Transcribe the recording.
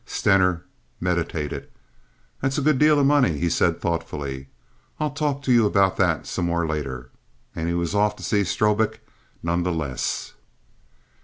Stener meditated. "That's a good deal of money," he said, thoughtfully. "I'll talk to you about that some more later." And he was off to see Strobik none the less.